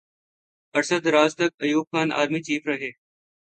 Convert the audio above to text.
عرصہ دراز تک ایوب خان آرمی چیف رہے۔